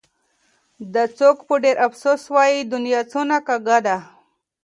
دا څوک په ډېر افسوس وايي : دنيا څونه کږه ده